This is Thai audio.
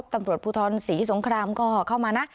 ตำรวจภูทรศรีสงครามก็เข้ามานะ